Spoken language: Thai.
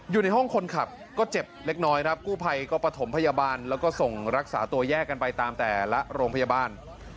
อยู่ในห้องคนขับก็เจ็บเล็กน้อยครับกู้ภัยก็ประถมพยาบาลแล้วก็ส่งรักษาตัวแยกกันไปตามแต่ละโรงพยาบาล